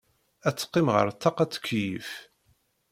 Ad teqqim ɣer ṭṭaq ad tettkeyyif.